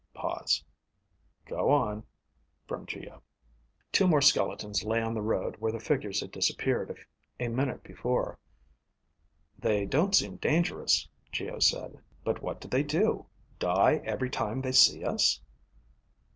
Pause. "Go on," from Geo. Two more skeletons lay on the road where the figures had disappeared a minute before. "They don't seem dangerous," Geo said. "But what do they do? Die every time they see us?"